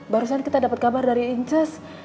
baru tadi kita dapet kabar dari inces